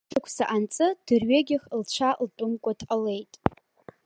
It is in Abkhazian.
Ҩышықәса анҵы дырҩегьых лцәа лтәымкәа дҟалеит.